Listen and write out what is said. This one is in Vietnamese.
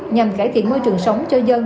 nhằm cải thiện môi trường sống cho dân